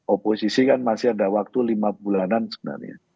oposisi kan masih ada waktu lima bulanan sebenarnya